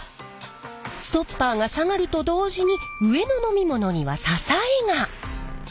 ストッパーが下がると同時に上の飲み物には支えが！